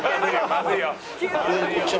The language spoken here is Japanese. まずいよ。